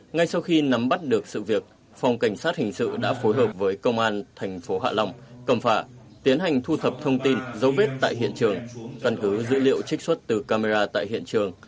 ngay sau khi nắm bắt được sự việc phòng cảnh sát hình sự đã phối hợp với công an thành phố hạ long cầm phả tiến hành thu thập thông tin dấu vết tại hiện trường căn cứ dữ liệu trích xuất từ camera tại hiện trường